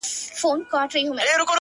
بيا دادی پخلا سوه ـچي ستا سومه ـ